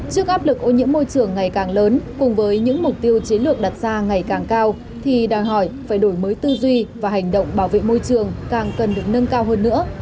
trước áp lực ô nhiễm môi trường ngày càng lớn cùng với những mục tiêu chiến lược đặt ra ngày càng cao thì đòi hỏi phải đổi mới tư duy và hành động bảo vệ môi trường càng cần được nâng cao hơn nữa